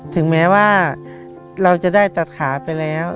ถึงแม้ว่าเราจะได้ตัดขาไปแล้ว